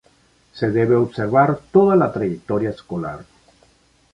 Se debe observar toda la trayectoria escolar.